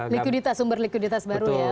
liquiditas sumber liquiditas baru ya